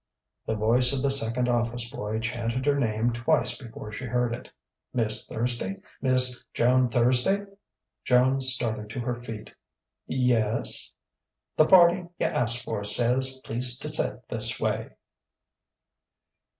The voice of the second office boy chanted her name twice before she heard it. "Miss Thursd'y?... Miss Joan Thursd'y?" Joan started to her feet. "Yes ?" "Th' party you ast for says please t' step this way!"